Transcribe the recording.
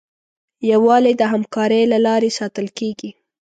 یووالی د همکارۍ له لارې ساتل کېږي.